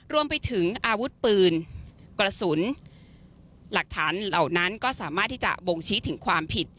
รวมไปถึงอาวุธปืนกระสุนหลักฐานเหล่านั้นก็สามารถที่จะบ่งชี้ถึงความผิด